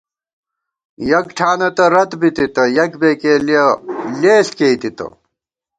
یَک ٹھانہ تہ رَت بِتِتہ ، یَک بېکېلِیَہ لېݪ کېئی تِتہ